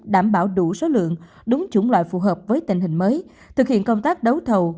đảm bảo đủ số lượng đúng chủng loại phù hợp với tình hình mới thực hiện công tác đấu thầu